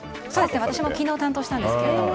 私も昨日担当したんですけどね。